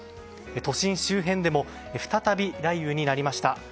都心周辺でも再び雷雨になりました。